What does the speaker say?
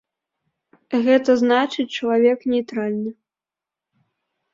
Гэта значыць, чалавек нейтральны.